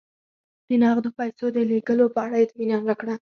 د نغدو پیسو د لېږلو په اړه اطمینان راکړه.